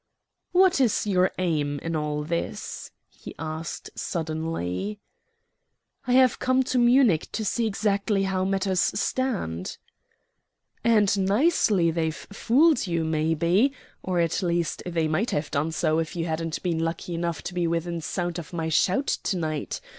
"What is your aim in all this?" he asked suddenly. "I have come to Munich to see exactly how matters stand." "And nicely they've fooled you, maybe or at least they might have done so if you hadn't been lucky enough to be within sound of my shout to night.